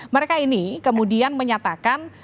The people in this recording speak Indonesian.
mereka ini kemudian menyatakan